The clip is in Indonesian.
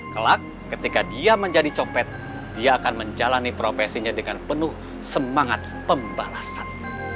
kelak ketika dia menjadi copet dia akan menjalani profesinya dengan penuh semangat pembalasan